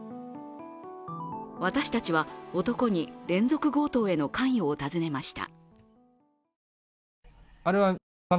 私たちは、男に連続強盗への関与を尋ねました。